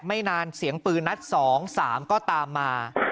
ไม่นานเสียงปืนนัด๒๓ก็ตามมา